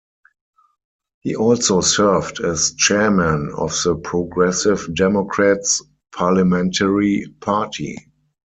He also served as Chairman of the Progressive Democrats Parliamentary Party.